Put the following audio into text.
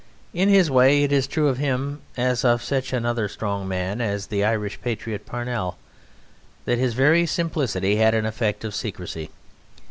In this way it is true of him, as of such another strong man as the Irish patriot Parnell, that his very simplicity had an effect of secrecy.